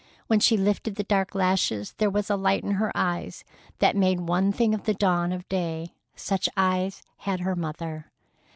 When she lifted the dark lashes there was a light in her eyes that made one think of the dawn of day. Such eyes had her mother.